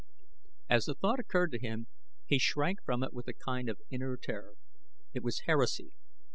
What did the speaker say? As the thought occurred to him, he shrank from it with a kind of inner terror. It was heresy.